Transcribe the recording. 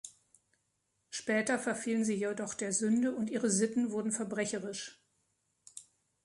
Später verfielen sie jedoch der Sünde und ihre Sitten wurden verbrecherisch.